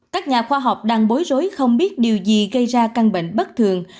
các nhà khoa học đang bối rối không biết điều gì gây ra căn bệnh bất thường